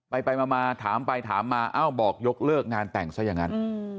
ไปมาถามไปถามมาเอ้าบอกยกเลิกงานแต่งซะอย่างนั้น